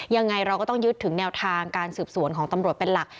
ยังไงเราก็ต้องยึดถึงแนวทางการสืบสวนของตำรวจเป็นหลัก